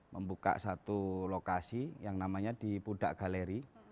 membuka satu lokasi yang namanya di pudak galeri